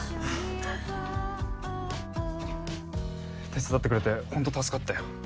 手伝ってくれてホント助かったよ。